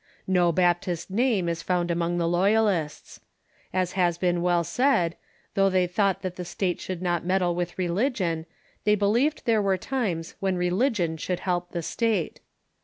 No Baptist name is found among the loyalists. As has been well said, though they thought that the state should not med dle with religion, they believed there were times when relig ion should help the state.